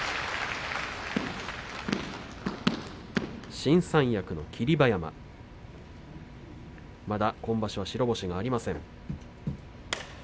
新三役の霧馬山まだ今場所、白星がありません。